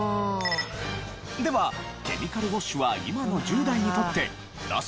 ではケミカルウォッシュは今の１０代にとってナシ？